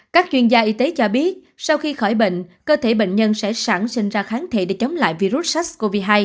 các chuyên gia y tế cho biết sau khi khỏi bệnh cơ thể bệnh nhân sẽ sẵn sinh ra kháng thể để chống lại virus sars cov hai